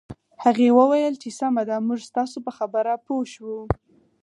هغې وویل چې سمه ده موږ ستاسو په خبره پوه شوو